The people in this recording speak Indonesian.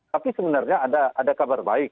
tapi sebenarnya ada kabar baik